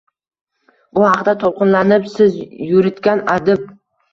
Bu haqda to`lqinlanib so`z yuritgan adib